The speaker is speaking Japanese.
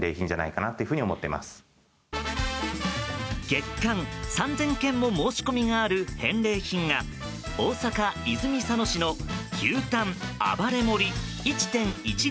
月間３０００件も申し込みがある返礼品が大阪・泉佐野市の牛タン暴れ盛り１．１５ｋｇ。